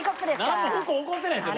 何も不幸起こってないですよ